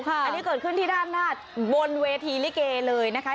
อันนี้เกิดขึ้นที่ด้านหน้าบนเวทีลิเกเลยนะคะ